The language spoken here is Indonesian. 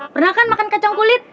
pernah kan makan kacang kulit